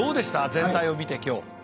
全体を見て今日。